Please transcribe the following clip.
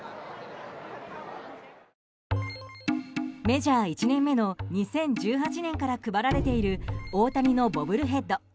メジャー１年目の２０１８年から配られている大谷のボブルヘッド。